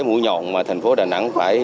mũi nhọn mà thành phố đà nẵng phải